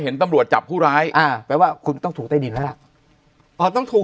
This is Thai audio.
เห็นตำรวจจับผู้ร้ายอ่าแปลว่าคุณต้องถูกใต้ดินแล้วล่ะอ๋อต้องถูก